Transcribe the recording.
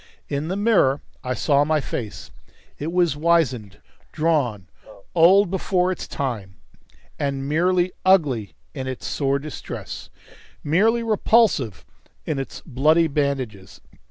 In the mirror I saw my face; it was wizened, drawn, old before its time, and merely ugly in its sore distress, merely repulsive in its bloody bandages.